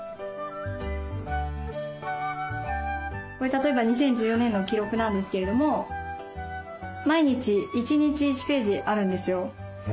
これ例えば２０１４年の記録なんですけれども毎日１日１ページあるんですよ。